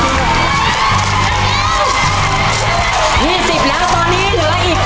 หนูจะคงหูตอเท่าไหร่แล้ว